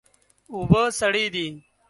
اوبه سړې دي.